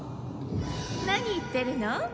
何言ってるの？